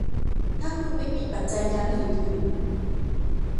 ถ้าคุณไม่มีปัจจัยการผลิตอื่น